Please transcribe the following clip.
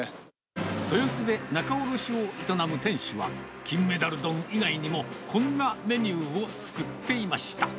豊洲で仲卸を営む店主は、金メダル丼以外にも、こんなメニューを作っていました。